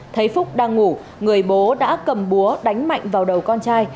thấy phúc đang ngủ người bố đã cầm búa đánh mạnh vào đầu con trai